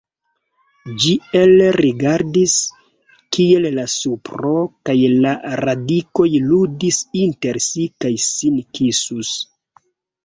Ĝi elrigardis, kiel la supro kaj la radikoj ludus inter si kaj sin kisus.